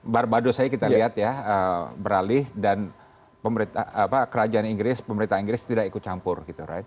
barbado saja kita lihat ya beralih dan kerajaan inggris pemerintah inggris tidak ikut campur gitu right